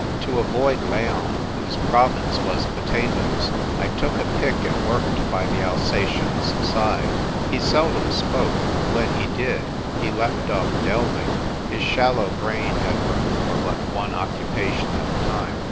To avoid Leon, whose province was potatoes, I took a pick and worked by the Alsatian's side. He seldom spoke ; when he did he left off delving 72 THE TYPE WRITER GIRL. — his shallow brain had room but for one occu pation at a time.